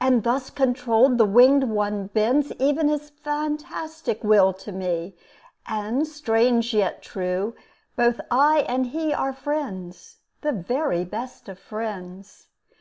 And thus controlled the winged one bends Ev'n his fantastic will to me; And, strange, yet true, both I and he Are friends, the very best of friends.